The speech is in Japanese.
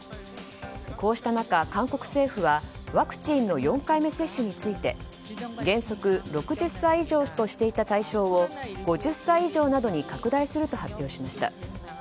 こうした中、韓国政府はワクチンの４回目接種について原則６０歳以上としていた対象を５０歳以上などに拡大すると発表しました。